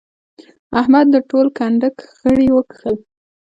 احمد د ټول کنډک غړي وکښل.